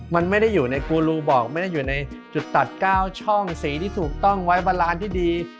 มันไม่ได้อยู่ในกูรูบอกไม่ได้อยู่ในจุดตัด๙ช่องสีที่ถูกต้องไว้บราณที่ดี